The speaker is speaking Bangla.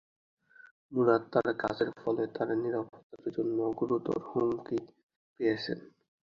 মুরাদ তার কাজের ফলে তার নিরাপত্তার জন্য গুরুতর হুমকি পেয়েছেন।